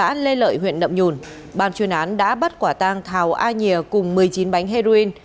trên lệ lợi huyện nậm nhôn bàn chuyên án đã bắt quả tang thảo a nhịa cùng một mươi chín bánh heroin